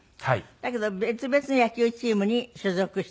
だけど別々の野球チームに所属してた。